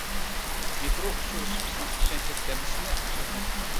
مىكرو ئۇچۇر سۇپىسىنىڭ ئىشەنچلىك دەرىجىسىنى ئاشۇرىدۇ.